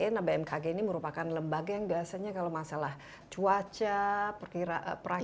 nah bmkg ini merupakan lembaga yang biasanya kalau masalah cuaca perakiran iklim dan lain sebagainya